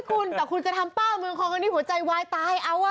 โอ้ยคุณแต่คุณจะทำป้าเมืองคล้องกันดีหัวใจวายตายเอาอ่ะ